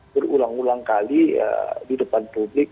berulang ulang kali di depan publik